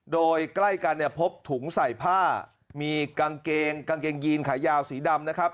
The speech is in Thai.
โดยใกล้กันเนี่ยพบถุงใส่ผ้ามีกางเกงกางเกงยีนขายาวสีดำนะครับ